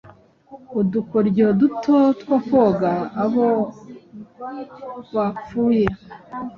Udukoryo duto two koga abo bapfuye